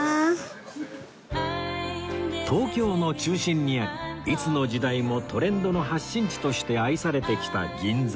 東京の中心にありいつの時代もトレンドの発信地として愛されてきた銀座